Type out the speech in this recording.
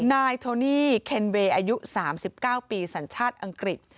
นายโทนี่เคนเวย์อายุ๓๙ปีสัญชาติอังกฤษ